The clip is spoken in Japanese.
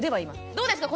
どうですか？